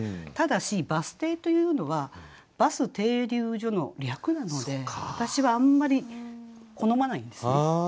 ただし「バス停」というのは「バス停留所」の略なので私はあんまり好まないんですね。